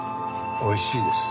・おいしいです。